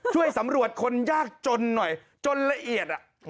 ช่วยสำรวจคนยากจนหน่อยจนละเอียด